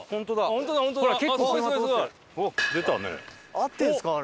合ってるんですかあれ。